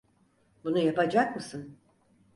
Bunu yapacak mısın?